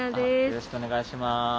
よろしくお願いします。